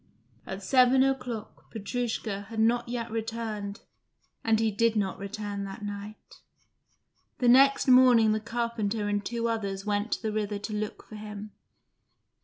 At seven o'clock Petrushka had not yet returned, and he did not return that night. The next morning the carpenter and two others went to the river to look for him.